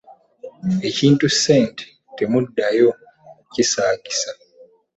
Ekintu ssente temuddayo kukisaagisa.